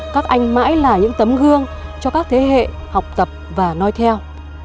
các anh mãi là những tấm gương cho các thế hệ học tập và nói theo